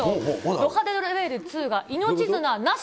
ド派手レベル２は命綱なし